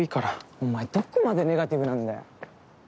お前どこまでネガティブなんだよ。